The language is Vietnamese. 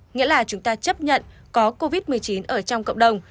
nghĩa là chúng ta chấp nhận có covid một mươi chín ở trong cộng đồng